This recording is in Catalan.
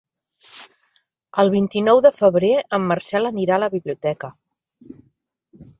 El vint-i-nou de febrer en Marcel anirà a la biblioteca.